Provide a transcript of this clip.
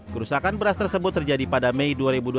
kerusakan beras tersebut terjadi pada mei dua ribu dua puluh